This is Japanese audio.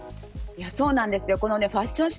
そうなんです。